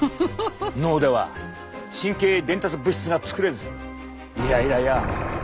脳では神経伝達物質が作れずイライラや不眠の原因に！